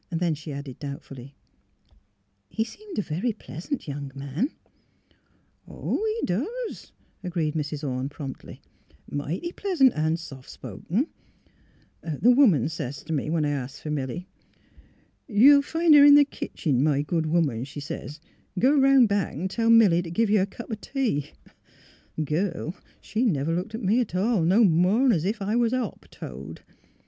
Then she added doubtfully, *' He seemed a very pleasant young man." '' He doos," agreed Mrs. Orne, promptly. '* Mighty pleasant an' soft spoken. The woman MILLSTONES AND OPPOETUNITIES 139 sez t' me when I asked fer Milly, ' You'll find her in th' kitchen, my good woman,' she sez. ' Go 'ronnd back an' tell Milly t' give you a cup of tea.' The girl, she never looked at me 't all, no more 'n 's if I was a hop toad.